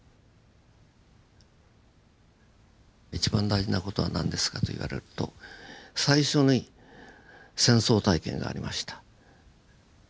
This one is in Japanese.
一番大事な事は何ですかと言われると最初に戦争体験がありました。